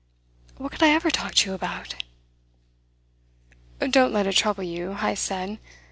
What could I ever talk to you about?" "Don't let it trouble you," Heyst said.